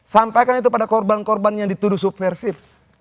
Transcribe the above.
sampaikan itu pada korban korban yang dituduh subversif